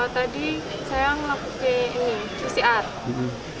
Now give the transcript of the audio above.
tadi saya melakukan ini pcr